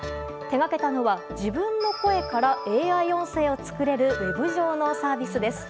手がけたのは自分の声からＡＩ音声を作れるウェブ上のサービスです。